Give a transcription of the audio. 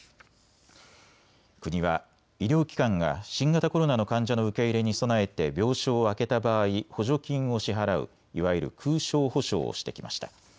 国は医療機関が新型コロナの患者の受け入れに備えて病床を空けた場合、補助金を支払ういわゆる空床補償をしてきました。